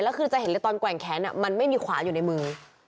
แล้วคือจะเห็นเลยตอนแกว่งแขนมันไม่มีขวาอยู่ในมือ